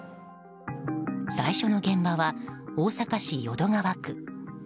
最初の現場は大阪市淀川区。